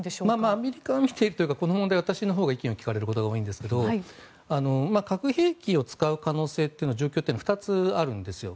アメリカは見ているというかこの問題は私のほうが意見を聞かれることが多いんですが核兵器を使う可能性状況というのは２つあるんですよ。